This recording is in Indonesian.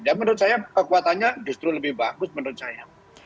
dan menurut saya kekuatannya justru lebih bagus menurut saya